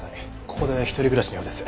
ここで一人暮らしのようです。